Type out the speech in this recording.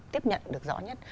tiếp nhận được rõ nhất